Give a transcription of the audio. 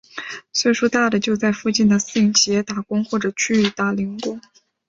岁数大的就在附近的私营企业打工或者去打零工。